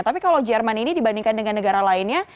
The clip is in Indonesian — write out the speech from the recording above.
tapi kalau jerman ini dibandingkan dengan negara lainnya